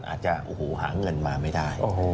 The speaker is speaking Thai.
อาจจะหาเงินมาไม่ได้